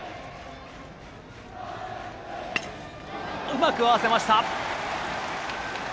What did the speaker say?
うまく合わせました。